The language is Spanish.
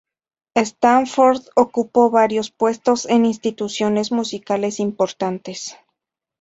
Stanford ocupó varios puestos en instituciones musicales importantes.